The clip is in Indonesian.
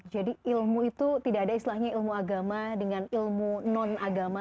jadi ilmu itu tidak ada istilahnya ilmu agama dengan ilmu non agama